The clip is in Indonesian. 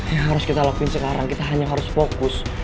yang harus kita lakuin sekarang kita hanya harus fokus